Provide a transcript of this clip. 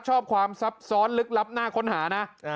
ชอบความซับซ้อนลึกลับน่าค้นหานะ